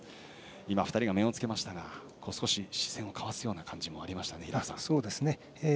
今２人が面をつけましたが少し視線を交わすような感じもありましたね。